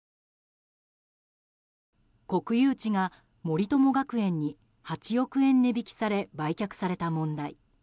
国有地が森友学園に８億円値引きされ売却された問題。